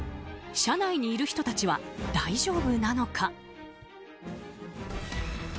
車内にいる人たちは大丈夫なのか。